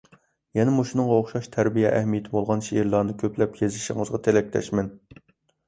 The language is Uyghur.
يەنە مۇشۇنىڭغا ئوخشاش تەربىيە ئەھمىيىتى بولغان شېئىرلارنى كۆپلەپ يېزىشىڭىزغا تىلەكداشمەن.